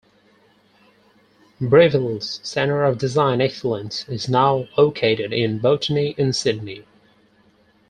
Breville's Centre of Design Excellence is now located in Botany in Sydney.